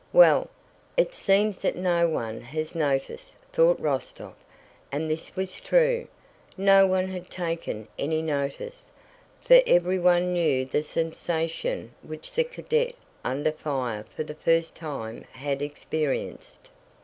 "Well, it seems that no one has noticed," thought Rostóv. And this was true. No one had taken any notice, for everyone knew the sensation which the cadet under fire for the first time had experienced.